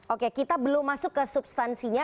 oke kita belum masuk ke substansinya